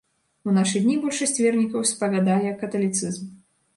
У нашы дні большасць вернікаў спавядае каталіцызм.